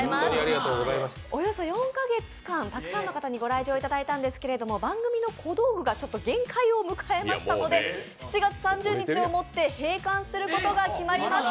およそ４か月間たくさんの方にご来場いただいたんですけれども番組の小道具が限界を迎えましたので７月３０日をもって閉館することが決まりました。